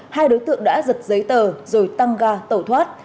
hai đối tượng đã giật giấy tờ rồi tăng ga tẩu thoát